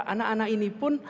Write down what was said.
anak anak ini pun